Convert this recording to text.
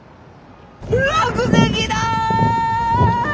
落石だ！